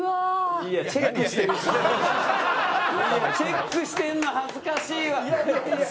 いやチェックしてるの恥ずかしいわ。